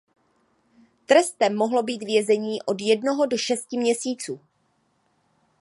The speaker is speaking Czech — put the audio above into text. Trestem mohlo být vězení od jednoho do šesti měsíců.